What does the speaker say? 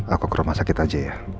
aku ke rumah sakit aja ya